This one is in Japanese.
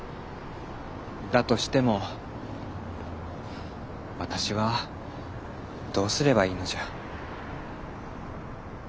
だとしても私はどうすればいいのじゃ。